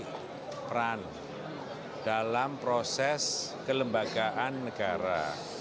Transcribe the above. dan saya juga ingin memiliki kemampuan untuk memiliki kemampuan yang baik dalam proses kelembagaan negara